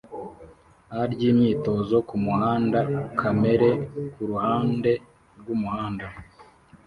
a ryimyitozo kumuhanda kamere kuruhande rwumuhanda